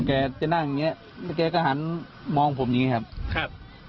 แกจะนั่งอย่างเงี้ยแล้วแกก็หันมองผมอย่างนี้ครับครับ